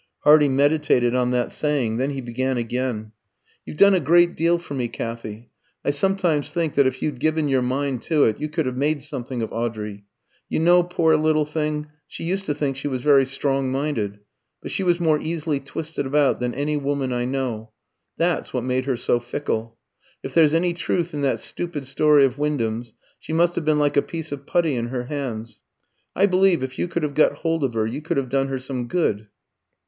Hardy meditated on that saying; then he began again. "You've done a great deal for me, Kathy. I sometimes think that if you'd given your mind to it, you could have made something of Audrey. You know, poor little thing, she used to think she was very strong minded; but she was more easily twisted about than any woman I know. That's what made her so fickle. If there's any truth in that stupid story of Wyndham's, she must have been like a piece of putty in her hands. I believe, if you could have got hold of her, you could have done her some good."